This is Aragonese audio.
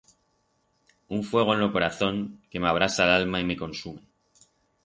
Un fuego en lo corazón que m'abrasa l'alma y me consume.